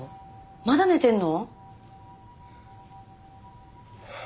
まだ寝てんの？